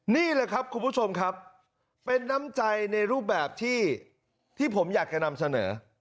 นี่แหละครับคุณผู้ชมครับเป็นน้ำใจในรูปแบบที่ผมอยากจะนำเสนอ